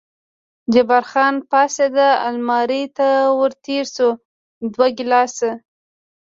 جبار خان پاڅېد، المارۍ ته ور تېر شو، دوه ګیلاسه.